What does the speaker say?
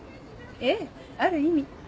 ええある意味。